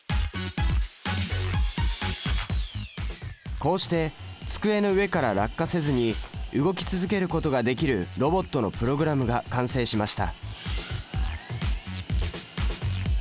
こうして机の上から落下せずに動き続けることができるロボットのプログラムが完成しました。